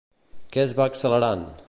Què es va accelerant?